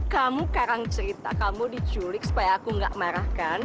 kamu karang cerita kamu diculik supaya aku gak marah kan